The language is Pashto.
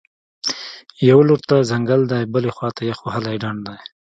یوه لور ته ځنګل دی، بلې خوا ته یخ وهلی ډنډ دی